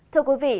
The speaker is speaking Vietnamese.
thưa quý vị